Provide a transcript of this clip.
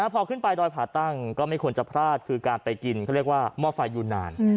พอขึ้นไปดอยผ่าตั้งก็ไม่ควรจะพลาดคือการไปกินเขาเรียกว่าหม้อไฟยูนาน